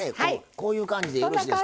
こういう感じでよろしいですか？